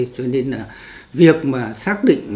cho nên là việc mà xác định